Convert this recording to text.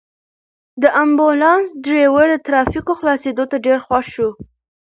د امبولانس ډرېور د ترافیکو خلاصېدو ته ډېر خوښ شو.